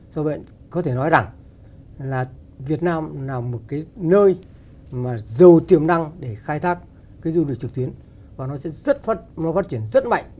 do vậy có thể nói rằng là việt nam là một cái nơi mà giàu tiềm năng để khai thác cái du lịch trực tuyến và nó sẽ rất phát triển rất mạnh